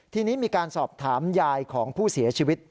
ทีนี้มีการสอบถามยายของผู้เสียชีวิต